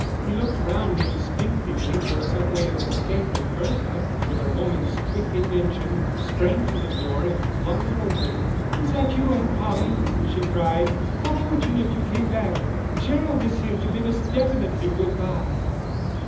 He looked round instinctively for some way of escape, but Bertha, with a woman's quick invention, sprang to the door and flung it open. "Is that you, Aunt Polly?" she cried. "How fortunate you came back; Gerald is here to bid us definitely good bye."